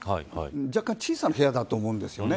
若干小さな部屋だと思うんですよね。